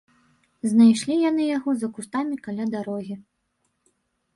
Знайшлі яны яго за кустамі каля дарогі.